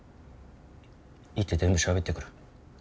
行って全部しゃべってくる。